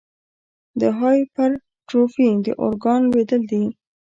د هایپرټروفي د ارګان لویېدل دي.